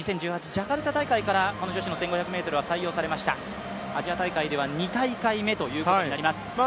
ジャカルタ大会からこの女子の１５００ｍは採用されましたアジア大会では２大会ぶりとなります。